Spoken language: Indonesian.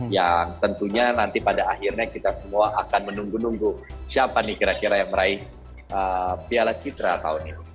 yang tentunya nanti pada akhirnya kita semua akan menunggu nunggu siapa nih kira kira yang meraih piala citra tahun ini